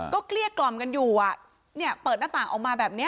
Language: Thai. ก็เกลี้ยกล่อมกันอยู่อ่ะเนี่ยเปิดหน้าต่างออกมาแบบนี้